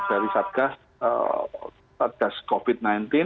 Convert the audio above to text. dari satgas covid sembilan belas